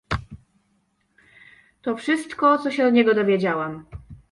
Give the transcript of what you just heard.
"To wszystko, co się od niego dowiedziałam."